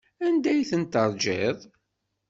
Anda ay tent-teṛjiḍ?